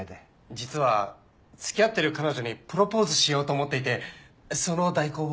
実は付き合ってる彼女にプロポーズしようと思っていてその代行を。